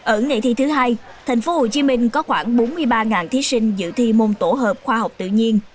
ở ngày thi thứ hai tp hcm có khoảng bốn mươi ba thí sinh dự thi môn tổ hợp khoa học tự nhiên